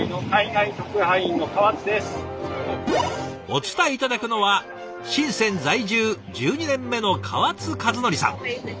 お伝え頂くのは深在住１２年目の川津一則さん。